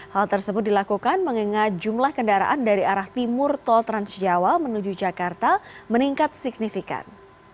hal tersebut dilakukan mengingat jumlah kendaraan dari arah timur tol transjawa menuju jakarta meningkat signifikan